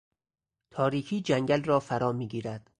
تاریکی جنگل را فرا میگیرد.